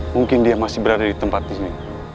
mungkin dia masih berada di tempat ini